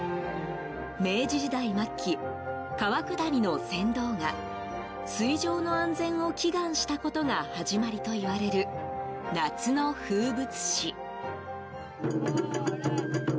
明治時代末期、川下りの船頭が水上の安全を祈願したことが始まりといわれる、夏の風物詩。